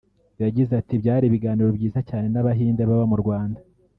yagize ati “Byari ibiganiro byiza cyane n’Abahinde baba mu Rwanda